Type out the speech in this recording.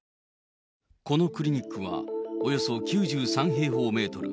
このクリニックはおよそ９３平方メートル。